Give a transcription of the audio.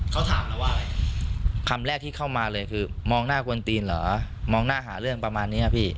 เขาถามเราว่าอะไรคำแรกที่เข้ามาเลยคือมองหน้ากวนตีนเหรอมองหน้าหาเรื่องประมาณนี้พี่